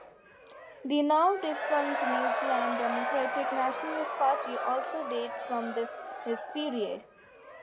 The now-defunct New Zealand Democratic Nationalist Party also dates from this time period.